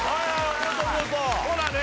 ほらね。